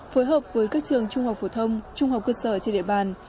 phối hợp với các trường trung học phổ thông trung học cơ sở trên địa bàn